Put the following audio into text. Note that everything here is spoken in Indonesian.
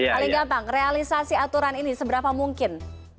paling gampang realisasi aturan ini seberapa mungkin